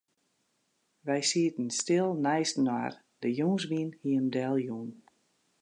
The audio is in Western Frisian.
Wy sieten stil neistinoar, de jûnswyn hie him deljûn.